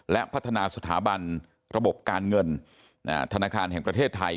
และพัฒนาสถาบันระบบการเงินธนาคารแห่งประเทศไทย